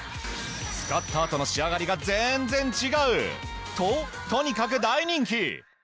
使ったあとの仕上がりが全然違う！ととにかく大人気。